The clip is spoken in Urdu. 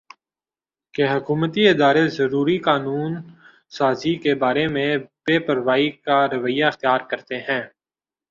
کہ حکومتی ادارے ضروری قانون سازی کے بارے میں بے پروائی کا رویہ اختیار کرتے ہیں